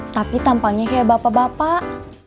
tapi tampaknya kayak bapak bapak